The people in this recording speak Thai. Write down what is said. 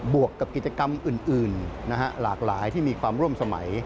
วกกับกิจกรรมอื่นหลากหลายที่มีความร่วมสมัย